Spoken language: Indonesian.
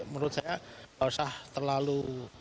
menurut saya perusahaan terlalu